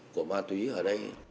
của ma túy ở đây